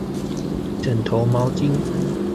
枕頭毛巾